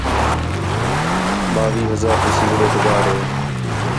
ٻاوِیہ ہزار تی سگریٹ گار ہِے